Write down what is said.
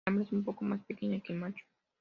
La hembra es un poco más pequeña que el macho.